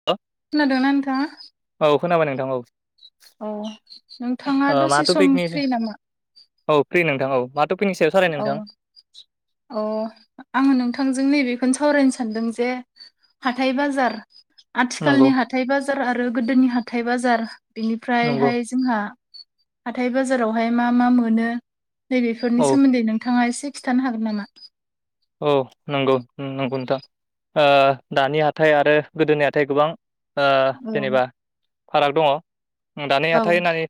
[inaudible] खोनादोंना नोंथाङा औ खोनाबाय नोंथां औ अ नोंथाङा ओ मा दसे सम टपिकनि फ्रि नामा औ फ्रि नोंथां औ मा टपिकनि सायाव सालाय नोंथां अ आङो नोंथांजों नैबेखौनो सावरायनो सानदों जे हाथाय बाजार नंगौ आथिखालनि हाथाय बाजार आरो गोदोनि हाथाय बाजार नंगौ बिनिफ्रायहाय जोंहा हाथाय बाजारावहाय मा मा मोन नैबे औ सोमोन्दै नोंथाङा एसे खिथानो हागोन नामा औ नंगौ नंगौ नोंथां दानि हाथाइ आरो गोदोनि हाथाय गोबां ओ औ जेनेबा फाराग दङ दानि औ हाथाय होनानै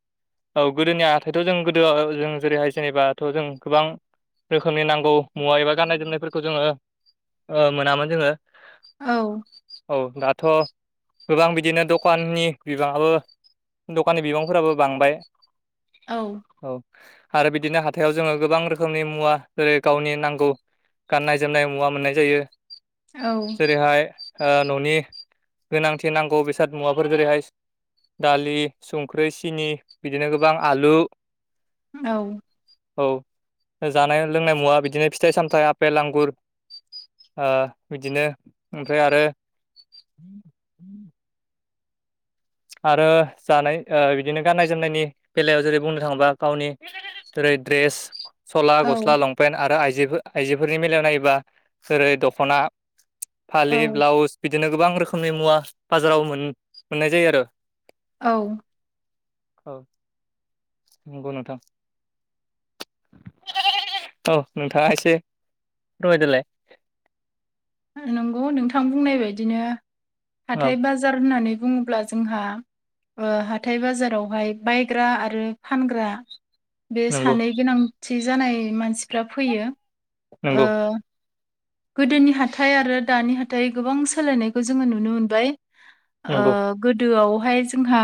औ गोदोनि हाथायथ' जों गोदो जों जेरैहाय जेनेबाथ' जों गोबां रोखोमनि नांगौ मुवा एबा गाननाय जोमनायफोरखौ जोङो मोनामोन जोङो औ औ दाथ' गोबां बिदिनो दखाननि बिबाङाबो दखाननि बिबांफोराबो बांबाय औ औ आरो बिदिनो हााइाव जोङो गोबां रोखोमनि मुवा जेरै गावनि नांगौ गाननाय जोमनाय मुवा मोननाय जायो औ जेरैहाय न'नि गोनांथि नांगौ बेसाद मुवाफोर जेरैहाय दालि संख्रि सिनि बिदिनो गोबां आलु औ औ जानाय लोंनाय मुवा बिदिनो फिथाइ सामथाइ पेल आांगुर बिदिनो ओमफ्राय आरो [inaudible] आरो जानाय बिदिनो गाननाय जोमनायनि बेलायाव जेरै बुंनो थाङोबा गावनि ड्रेस सला औ गस्ला लंपेन्ट आरो आइजो आइजोफोरनि बेलायाव नायोबा जेरै दख'ना फालि औ ब्लाउस बिदिनो गोबां रोखोमनि मुवा बाजाराव मोननाय जायो आरो औ औ। नोंथां औ नोंथाङा एसे नंगौ नोंथां बुंनाय बायदिनो औ हाथाय बाजार होननानै बुङोब्ला जोंहा। हाथथाय बाजारावहाय बायग्रा आरो फानग्रा। बे नंगौ सानै गोनांथि जानाय मानसिफ्रा फैयो नंगौ ओ गोदोनि हाथाइ आरो दानि हाथाइ गोबां सोलायनायखौ जोङो नुनो मोनबाय ओ नंगौ गोदोआवहाय जोंहा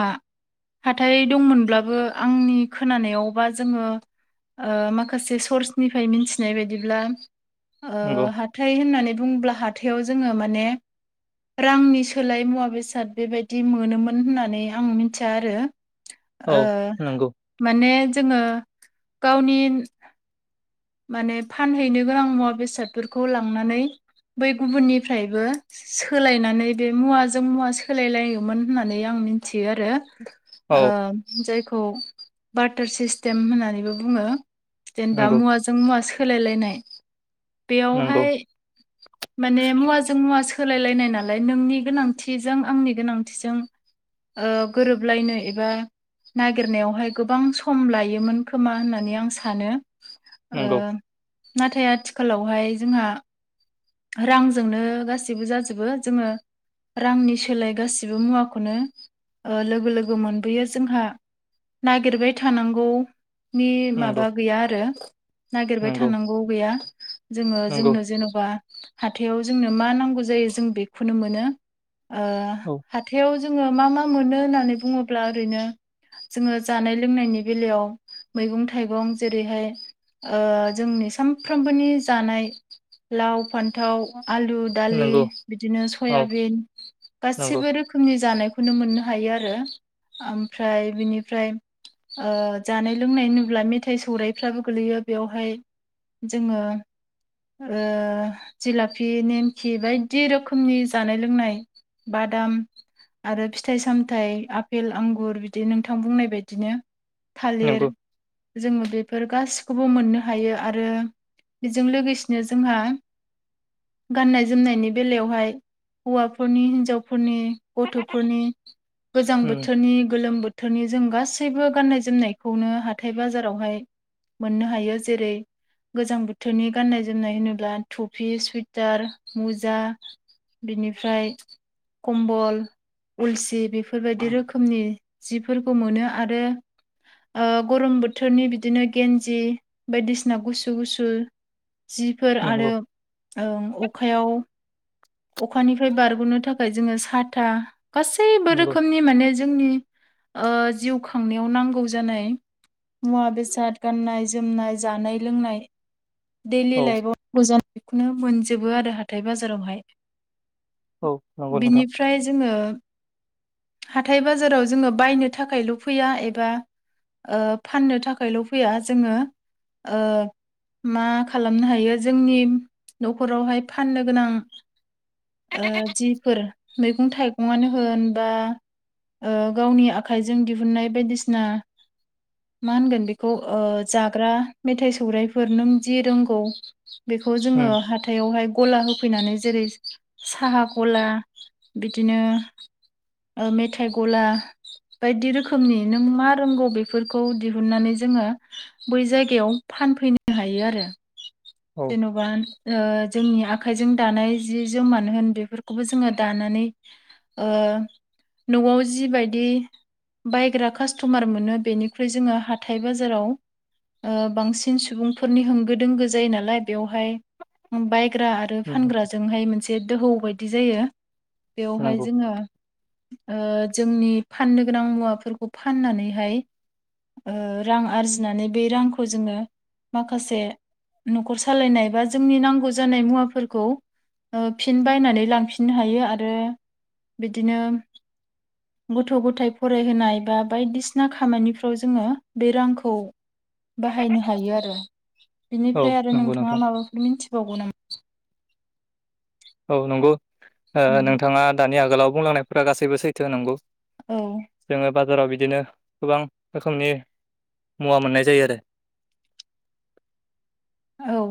हाथाय दंमोनब्लाबो आंनि खोनानायावबा जोङो। माखासे सर्सनिफ्राय मिथिनाय बायदिब्ला ह नंगौ हााथथाय होननानै बुङोब्ला हाथायाव जोङो माने। रांनि सोलाय मुवा बेसाद बेबायदि मोनोमोन होननानै आं मिथिया आरो। [inaudible] नंगौ माने जोङो गावनि माने फानहैनो गोनां मुवा बेसादफोरखौ लांनानै बै गुबुननिफ्रायबो। सोलायनानै बे मुवाजों मुवा सोलायलायोमोन होननानै आं मिथियो आरो। औ जायखौ बाटार सिस्टेम होननानैबो बुङो। जेनेबा नंगौ मुवाजों मुवा सोलायलायनाय बे नंगौ माने मुवाजों मुवा सोलायलायनाय नालाय नोंनि गोनांथिजों आंनि गोनांथिजों। गोरोबलायनो एबा नागिरनायावहाय गोबां सम लायोमोन खोमा होननानै आं सानो। नंगौ नाथाय आथिखालावहाय जोंहा। रांजोंनो गासैबो जाजोबो जोङो। रांनि सोलाय गासिबो मुवाखौनो लोगो लोगो मोनबोयो जोंहा नागिरबाय थानांगौनि नंगौ माबा गैया आरो। नागिरबाय नंगौ थानांगौ गैया जोङो नंगौ जोंनो जेन'बा। हाथायाव जोंनो मा नांगौ जायो जों बेखौनो मोनो औ हाथायाव जोङो मा मा मोनो होननानै बुङोब्ला ओरैनो जोङो जानाय लोंनायनि बेलायाव मैगं थाइगं जेरैहाय। जोंनि सानफ्रामबोनि जानाय लाव, फान्थाव, आलु दालि नंगौ बिदिनो औ सयाबिन नंगौ गासिबो रोखोम रोखोमनि जानायखौनो मोननो हायो आरो ओमफ्राय बिनिफ्राय। जानाय लोंनाय नुब्ला मेथाइ सौरायाइफ्राबो गोलैयो बेवहाय जोङो। जिलाफि नेमखि बायदि रोखोमनि जानाय लोंनाय। बादाम आरो फिथाइ सामथायाइ आफपेल आंगुर बिदि नोंथां बुंनाय बायदिनो थालिर नंगौ जोङो बेफोर गासिबो। खौबो मोननो हायो आरो बेजों लोगोसेनो जोंहा गाननाय जोमनायनि बेलायावहाय हौवाफोरनि हिन्जावफोरनि। गथ'फोरनि गोजां उम बोथोरनि गोलोम बोथोर बोथोरनि जों गासैबो गाननाय जोमनायखौनो हाथाय बाजारावहाय। मोननो हायो जेरै गोजां बोथोरनि गाननाय जोमनाय होनोब्ला टफि सुवइटार मुजा बिनिफ्राय कम्बल। उलसि बेफोरबायदि रोखोमनि जिफोरखौ मोनो आरो। गरम बोथोरनि बिदिनो गन्जि बायदिसिना गुसु गुसु जिफोर आरो नंगौ ओं अखायाव अखानिफ्राय बारग'नो थाखाय जोङो साथा गासैबो नंगौ रोखोमनि माने जोंनि जिउ खांनायाव नांगौ जानाय मुवा -बेसाद, गाननाय- जोमनाय, जानाय- लोंनाय, दैलि औ लाइबाव नांगौ जानायखौनो मोनजोबो आरो हाथाय बाजारावहाय औ नंगौ नोंथां बिनिफ्राय जोङो हाथाय बाजाराव जोङो बायनो थाखायल' फैया एबा ओ फाननो थाखायल' फैया जोङो ओ मा खालामनो हायो जोंनि न'खरावहाय फाननो गोनां ओ जिफोर मैगं थाइगं आनो होन बा गावनि आखाइजों दिहुनन्नाय बायदिसिना मा होनगोन बेखौ जाग्रा मेथाइ सौराइफोर नों जि रोंगौ बेखौ जोङो उम हाथायावहाय गला होफैनानै जेरै साहा गला बिदिनो मेथाइ गला बायदि रोखोमनि नों मा रोंगौ बेफोरखौ दिहुननानै जोङो बै जायगायाव फानफैनो हायो आरो। औ जेन'बा जोंनि आखाइजों दानाय जि -जोमानो होन बेफोरखौबो जोङो दानानै ओ न'आव जिबायदि बायग्रा कास्ट'मार मोनो बेनिख्रुइ जोङो हाथाय बाजाराव ओ बांसिन सुबुंफोरनि होंगो दोंगो जायो नालाय बेवहाय बायग्रा आरो आरो फानग्राजोंहाय मोनसे दोहौ बायदि जायो बेयावहाय नंगौ जोङो जोंनि फाननो गोनां मुवाफोरखौ फाननानैहाय रां आरजिनानै बे रांखौ जोङो माखासे न'खर सालायनाय बा जोंनि नांगौ जानाय मुवाफोरखौ फिन बायनानै लांफिननो हायो आरो बिदिनो गथ' गथाय फरायहोनाय बा बायदिसिना खामानिफ्राव जोङो बे रांखौ [inaudible] बाहायनो हायो आरो। औ बिनिफ्राय आरो नंगौ नोंथाङा नोंथां माबाफोर मिथिबावगौ नामा? औ नंगौ नोंथाङा दानि आगोलाव बुंलांनायफोरा गासैबो सैथो नंगौ। औ जोङो बाजाराव बिदिनो गोबां रोखोमनि मुवा मोननाय जायो आरो औ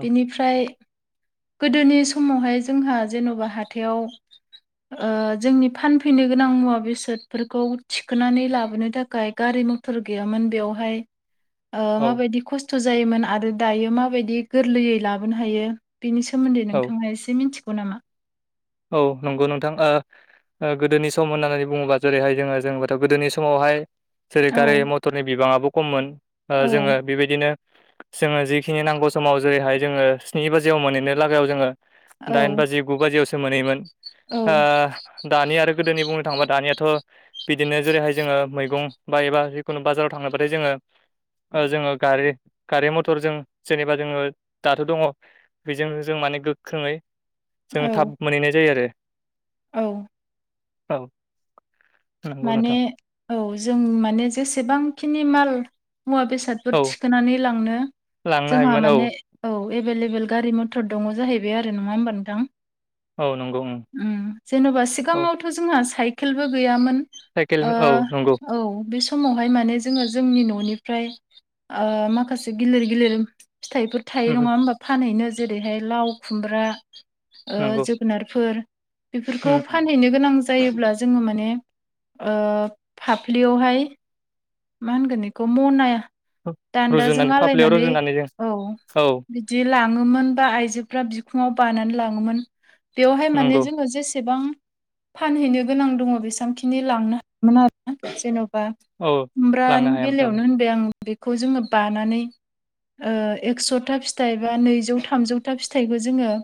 बेनिफ्राय गोदोनि समावहाय जोंहा जेन'बा हाथायाव जोंनि फानफैनो गोनां मुवा बेसादफोरखौ थिखोनानै लाबोनो थाखाय गारि म थर गैयामोन बेवहाय [inaudible] माबायदि खस्थ' जायोमोन आरो दायो माबायदि गोरलैयै लाबोनो हायो। बेनि सोमोन्दै औ नोंथाङा एसे मिन्थिगौ नामा? औ नंगौ नोंथां ओ गोदोनि सम होननानै बुङोबा जेरैहाय जोङो जोबाथ' गोदोनि समावहाय जेरै औ गारि मथरनि बिबाङाबो खममोन औ जोङो बेबायदिनो जोङो जिखिनि नांगौ समाव जेरैहाय जोङो स्नि बाजियाव मोनहैनो लागायाव जोङो औ दाइन बाजि गु बाजियावसो मोनहैयोमोन। औ ओ दानिया आरो गोदोनि बुंनो थांबा दानियाथ' बिदिनो जेरैहाय जोङो मैगं बा एबा जिखुनु बाजाराव थांबाथाय जोङो जोङो गारि गारि मथरजों जेनेबा जोङो दाथ' दङ बेजोंनो जों माने गोख्रोङै जोो औ थाब मोनहैनाय जायो आरो। औ। औ। नंगौ माने नोंथां औ जों माने जेसेबांखिनि माल मुवा बेसाद बेफोर औ थिखोनानै लांनो लांनो जोंहा हायोमोन औ माने औ एभेलेबेल गारि मथर दङ जाहैबाय आरो नङा होमबा नोंथां औ नंगौ ओं ओम जेन'बा सिगाङावथ' जोंहा साइकेलबो गैयामोन साइकेल ओ औ नंगौ औ बे समावहाय माने जोङो जोंनि न'निफ्राय ओ माखासे गिलिर गिलिर फिथाइफोर उम थायो उम नङा होमबा फानहैनो जेरैहाय लाव खुमब्रा ओ नंगौ जोगोनारफोर उम बेफोरखौ फानहैनो गोनां जायोब्ला जोङो माने ओ फाफ्लियावहाय मा होनगोन बेखौ मनाय दान्दाजों रुजुनानै फाफ्लियाव आलायनानै रुजुनानै जों औ औ बि जि लाङोमोन बा आइजोफ्रा बिखुङाव बानानै लाङोमोन बेवहाय माने नंगौ जोङो जेसेबां फानहैनो गोनां दङ बेसां खि नि लांनो [unintelligible] जेन'बा औ लांनो खुमब्रानि हायामोन बेलायावनो होनबाय आं बेखौ जोङो बानानै ओ एकस'था फिथाइ बा नैजौ थामजौथा फिथाइखौ जोङो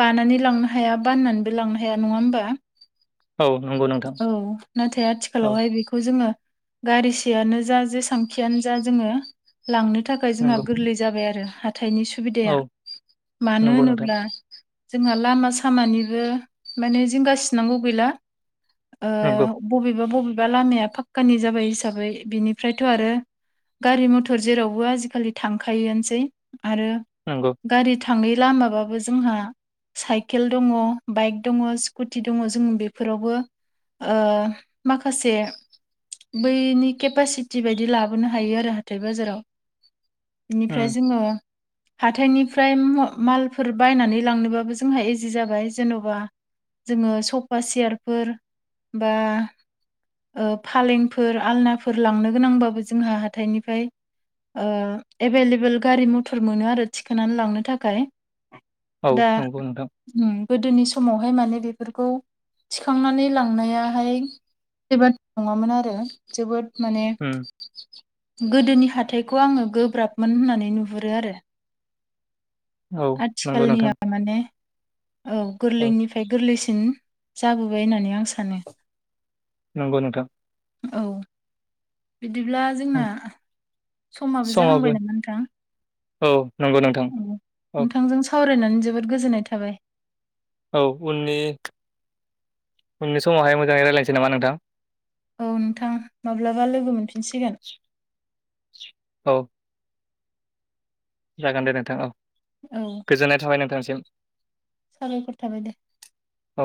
बानानै लांनो हाया बाननानैबो लांनो हाया नङा होमबा औ नंगौ नोंथां औ नाथाय औ आथिखालावहाय बेखौ जोङो गारिसेयानो जा जेसांखियानो जा जोङो लांनो थाखाय जोंहा नंगौ गोरलै जाबाय आरो हाथायनि सु सुबिदाया औ मानो नंगौ नोंथां होनोब्ला जोंहा लामा सामानिबो माने जिंगासिनांगौ गैला नंगौ बबेबा बबेबा लामाया फाक्कानि जाबाय हिसाबै बिनिफ्रायथ' आरो गारि मथर जेरावबो आजिखालि थांखायोयानोसै आरो नंगौ गारि थाङै लामाबाबो जोंहा साइकेल दङ बाइक दङ स्कुटि दङ जों बेफोरावबो ओ माखासे बैनि केपासिटि बायदि लाबोनो हायो आरो हाथाय बाजाराव बेनिफ्राय उम जोङो हाथायनिफ्राय मालफोर बायनानै लांनोबाबो जोंहा इजि जाबाय जेन'बा जोङो सफा सियारफोर बा ओफालेंफोर आलनाफोर लांनो गोनांबाबो जोंहा हाथाइनिफ्राय ओ एभेलेबोेल गारि मथर मोनो आरो थिखोनानै लांनो थाखाय औ दा नंगौ नोंथां ओम गोदोनि समावहाय माने बेफोरखौ थिखांनानै लांनायाहाय [unintelligible] नङामोन आरो जोबोद माने ओम गोदोनि हाथायखौ आङो गोब्राबमोन होननानै नुहुरो आरो औ नंगौ नोंथां आथिखालनिया माने औ औ गोरलैनिफ्राय गोरलैसिन जाबोबाय होननानै आं सानो नंगौ नोंथां औ बिदिब्ला जोंना औ समाबो जाहांबाय नामा नोंथां औ नंगौ नोंथां औ औ नोंथांजों सावरायनानै जोबोद गोजोननाय थाबाय औ उननि उननि समावहाय मोजाङै रायलायनोसै नामा नोंथां औ नोंथां माब्लाबा लोगो मोनफिनसिगोन औ जागोन दे नोंथां औ औ गोजोननाय थाबाय नोंथांसिम साबायखर थाबाय दे औ।